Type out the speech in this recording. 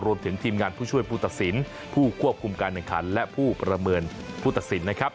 ทีมงานผู้ช่วยผู้ตัดสินผู้ควบคุมการแข่งขันและผู้ประเมินผู้ตัดสินนะครับ